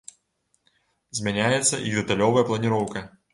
Змяняецца іх дэталёвая планіроўка.